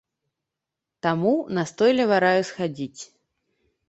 Таму настойліва раю схадзіць.